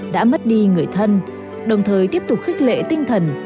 đã mất đi người thân đồng thời tiếp tục khích lệ tinh thần